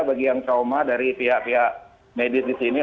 bagi yang trauma dari pihak pihak medis di sini